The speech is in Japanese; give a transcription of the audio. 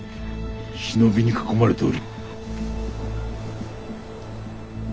忍びに囲まれておる。